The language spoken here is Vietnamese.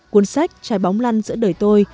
cuốn sách trái bóng lăn giữa đời tôi